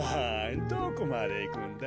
どこまでいくんだ？